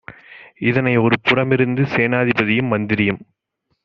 இதனை ஒரு புறமிருந்து சேனாதிபதியும் மந்திரியும்